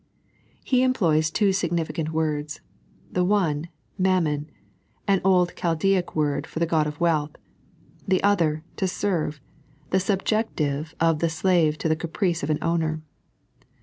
He employs two significant words — the one, ilwnvnivn. (an old Ghaldaic word for the god of wealth) ; the other, to terve, the subjection of the slave to the caprice of an owner.